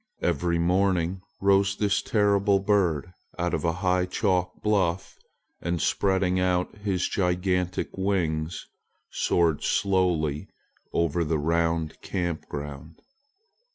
Every morning rose this terrible red bird out of a high chalk bluff and spreading out his gigantic wings soared slowly over the round camp ground.